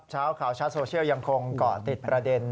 เช้าข่าวชัดโซเชียลยังคงเกาะติดประเด็น